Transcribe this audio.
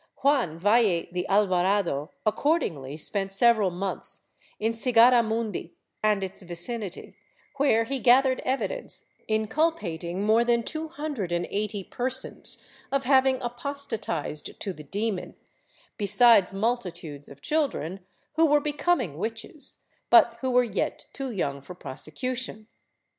(■ Juan YaWe de Alvarado accordingly spent several months in Cigarramundi and its vicinity, where he gathered evidence incul pating more than two hundred and eighty persons of having apostatized to the demon, besides multitudes of children, who were becoming witches, but who were yet too young for prosecution.